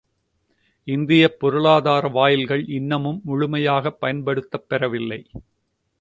இந்தியப் பொருளாதார வாயில்கள் இன்னமும் முழுமையாகப் பயன்படுத்தப் பெறவில்லை!